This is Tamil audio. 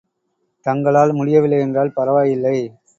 தங்களால் முடியவில்லை என்றால் பரவாயில்லை.